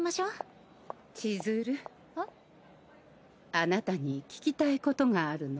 あなたに聞きたいことがあるの。